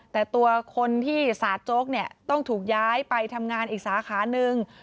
แต่ตัวคนที่สาดโจ๊กเนี่ยต้องถูกย้ายไปทำงานอีกสาขาหนึ่ง